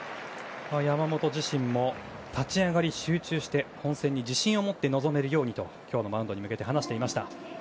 山本自身も立ち上がり集中して本戦に自信を持って臨めるようにと今日のマウンドに向けて話していました。